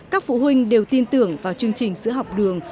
các phụ huynh đều tin tưởng vào chương trình sữa học đường